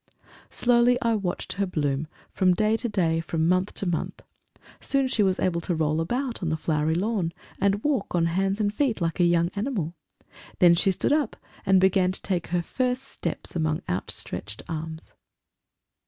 Slowly I watched her bloom, from day to day, from month to month; soon she was able to roll about on the flowery lawn, and walk, on hands and feet, like a young animal; then she stood up and began to take her first steps among out stretched arms....